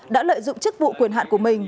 đã lợi dụng chức vụ quyền hạn của mình